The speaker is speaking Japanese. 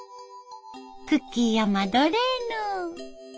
クッキーやマドレーヌ。